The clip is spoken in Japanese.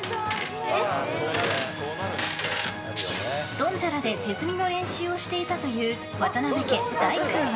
ドンジャラで手積みの練習をしていたという渡邊家・大唯君は。